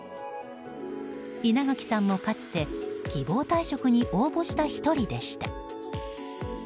稲垣さんもかつて希望退職に応募した１人でした。